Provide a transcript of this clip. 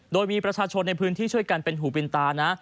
โดยมีประชาชนในพื้นที่ช่วยกันเป็นหูเป็นตานะ